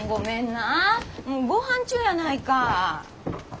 もうごはん中やないか。